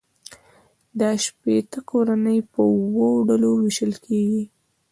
دا شپیته کورنۍ په اووه ډلو وېشل کېږي